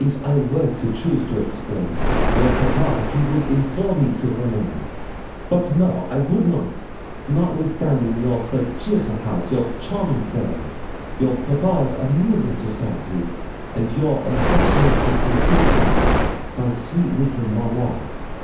'If I were to choose to explain, your papa he would implore me to remain. But no I would not notwithstanding your so cheerful house, your charming servants, your papa's amusing society, and your affectionate and sincere heart, my sweet little maraude.